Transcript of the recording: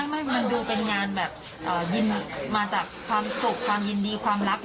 ไม่มันดูเป็นงานแบบยินมาจากความสุขความยินดีความรัก